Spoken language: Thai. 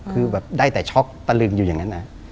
คือแบบได้แต่ช็อกตะลึงอยู่อย่างนั้น